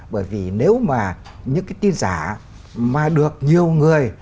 bởi vì nếu mà những cái tin giả mà được nhiều người